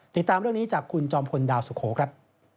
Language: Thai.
ติดตามเรื่องนี้จากคุณจอมพลดาวสุโขครับ